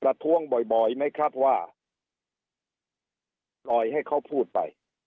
ท้วงบ่อยไหมครับว่าปล่อยให้เขาพูดไป